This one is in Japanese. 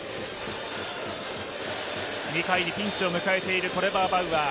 ２回にピンチを迎えているトレバー・バウアー。